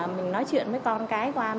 mình nói chuyện với con cái qua mạng